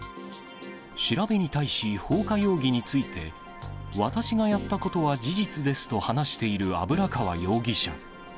調べに対し、放火容疑について、私がやったことは事実ですと話している油川容疑者。